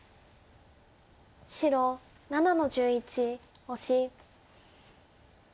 白７の十一オシ。